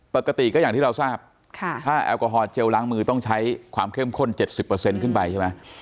ปกติก็อย่างที่เราทราบถ้าแอลกอฮอลเจลล้างมือต้องใช้ความเข้มข้น๗๐ขึ้นไปใช่ไหม